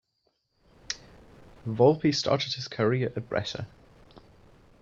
Volpi started his career at Brescia.